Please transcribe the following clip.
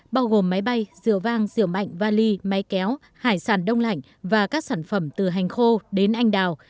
bao gồm máy bay rượu vang rượu mạnh vali máy kéo hải sản đông lạnh và các sản phẩm từ hành khô đến anh đào